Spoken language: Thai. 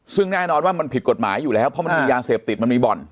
ซึ่งแน่นอนว่ามันผิดกฎหมายอยู่แล้วเพราะมันมียาเสพติดมันมีบ่อน